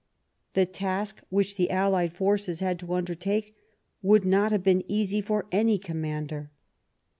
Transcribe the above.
The task which the allied forces had to undertake would not have been easy for any commander.